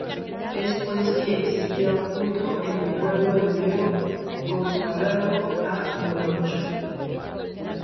Es pues que existía un culto en el pueblo hebreo consagrado a Moloch.